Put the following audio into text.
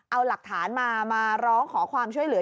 เอาหลักฐานมามาร้องขอความช่วยเหลือ